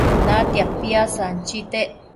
Natia piasanchitec